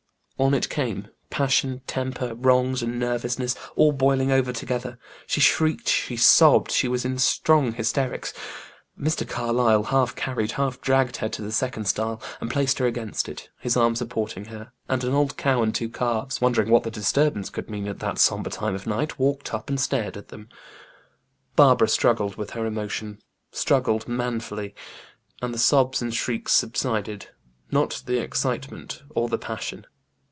On it came, passion, temper, wrongs, and nervousness, all boiling over together. She shrieked, she sobbed, she was in strong hysterics. Mr. Carlyle half carried, half dragged her to the second stile, and placed her against it, his arm supporting her; and an old cow and two calves, wondering what the disturbance could mean at that sober time of night, walked up and stared at them. Barbara struggled with her emotion struggled manfully and the sobs and shrieks subsided; not the excitement or the passion.